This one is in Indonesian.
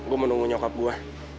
gue menunggu nyokap gue